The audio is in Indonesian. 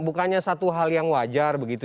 bukannya satu hal yang wajar begitu